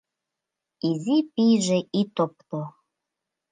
Изи пийже, ит опто